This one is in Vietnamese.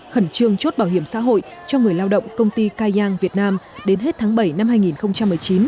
khẩn trương chốt bảo hiểm xã hội cho người lao động công ty cai giang việt nam đến hết tháng bảy năm hai nghìn một mươi chín